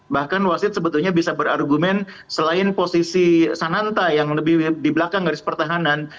bahkan wasit sebetulnya bisa berargumen selain posisi sananta yang lebih di belakang garis pertahanan